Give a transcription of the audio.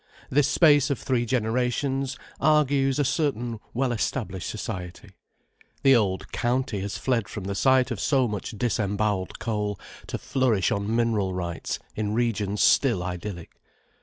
This space of three generations argues a certain well established society. The old "County" has fled from the sight of so much disembowelled coal, to flourish on mineral rights in regions still idyllic.